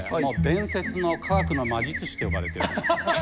伝説の科学の魔術師と呼ばれているんですよ。